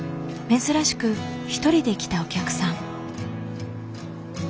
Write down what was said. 珍しく一人で来たお客さん。